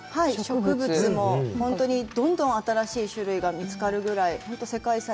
植物も本当にどんどん新しい種類が見つかるぐらい、本当世界遺産に。